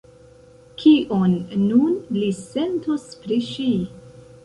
Kion nun li sentos pri ŝi?